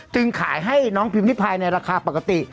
ขายให้น้องพิมพิพายในราคาปกติ